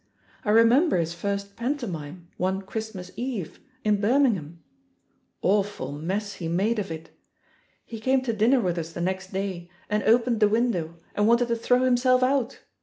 I remember his first pantomime, one Christmas Eve, in Bir mingham — ^awful mess he made of it! He came to dinner with us the next day and opened the window and wanted to throw himself out.